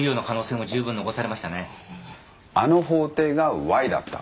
あの法廷がＹだった。